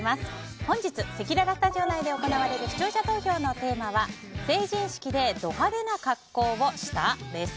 本日せきららスタジオ内で行われる視聴者投票のテーマは成人式でド派手な格好をした？です。